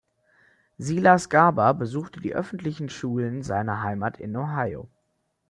Silas Garber besuchte die öffentlichen Schulen seiner Heimat in Ohio.